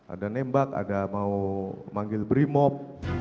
ada nembak ada mau manggil brimob